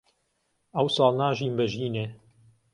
ئەوساڵ ناژیم بە ژینێ